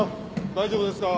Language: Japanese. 大丈夫ですか？